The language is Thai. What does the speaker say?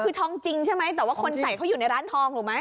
คือทองจริงใช่ไหมแต่ว่าคนใส่เขาอยู่ในร้านทองถูกไหม